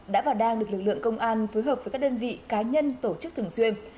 đã và đang được lực lượng công an phối hợp với các đơn vị cá nhân tổ chức thường xuyên